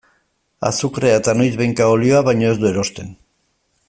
Azukrea eta noizbehinka olioa baino ez du erosten.